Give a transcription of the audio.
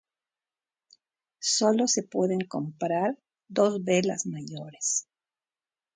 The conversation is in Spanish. Solo se pueden comprar dos velas mayores.